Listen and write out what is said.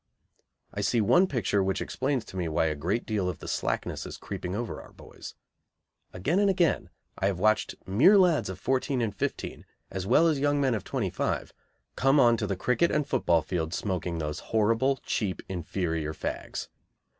I see one picture which explains to me why a great deal of the slackness is creeping over our boys. Again and again I have watched mere lads of fourteen and fifteen, as well as young men of twenty five, come on to the cricket and football field smoking those horrible, cheap, inferior "fags."